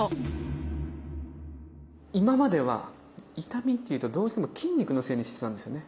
今までは痛みっていうとどうしても筋肉のせいにしてたんですよね。